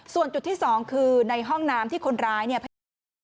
ส่วนจุดที่สองคือในห้องน้ำที่คนร้ายเนี่ย